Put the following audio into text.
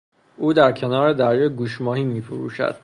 او در کنار دریا گوشماهی میفروشد.